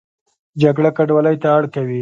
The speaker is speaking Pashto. جګړه کډوالۍ ته اړ کوي